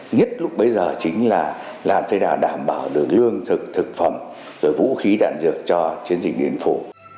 nhất lúc bây giờ chính là làm thế nào đảm bảo được nương thực thực phẩm vũ khí đạn dược cho chiến dịch biến phủ